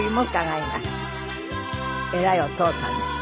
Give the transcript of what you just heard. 偉いお父さんです。